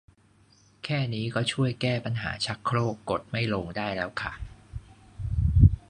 แค่นี้ก็จะช่วยแก้ปัญหาชักโครกกดไม่ลงได้แล้วค่ะ